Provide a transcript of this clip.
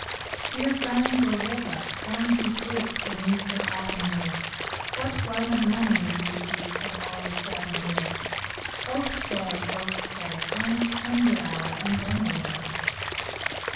Dear friends were with us, some who sleep Beneath the coffin lid : What pleasant memories we keep Of all they said and did ! Oh stay, oh stay, One tender hour, and then away.